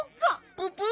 ププ？